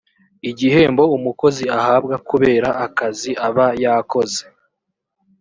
igihembo umukozi ahabwa kubera akazi aba yakoze